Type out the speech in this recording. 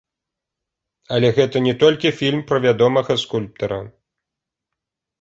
Але гэта не толькі фільм пра вядомага скульптара.